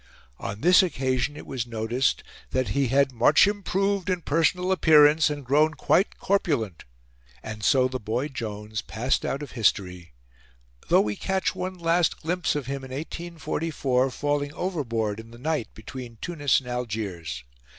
On this occasion it was noticed that he had "much improved in personal appearance and grown quite corpulent;" and so the boy Jones passed out of history, though we catch one last glimpse of him in 1844 falling overboard in the night between Tunis and Algiers.